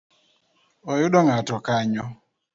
Oyudo ng’ato kanyo?